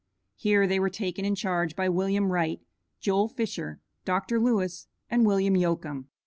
Here they were taken in charge by William Wright, Joel Fisher, Dr. Lewis, and William Yocum.